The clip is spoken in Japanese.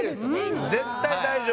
絶対大丈夫。